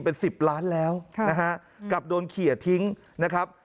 เป็น๑๐ล้านแล้วนะฮะกลับโดนเขียทิ้งนะครับ